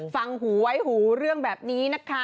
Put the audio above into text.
ฟังหูไว้หูเรื่องแบบนี้นะคะ